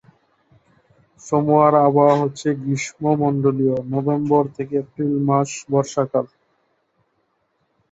সামোয়ার আবহাওয়া হচ্ছে গ্রীষ্মমন্ডলীয়, নভেম্বর থেকে এপ্রিল মাস বর্ষাকাল।